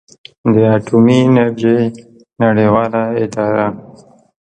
د اټومي انرژۍ نړیواله اداره